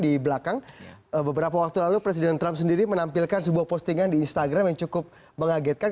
di belakang beberapa waktu lalu presiden trump sendiri menampilkan sebuah postingan di instagram yang cukup mengagetkan